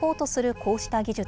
こうした技術。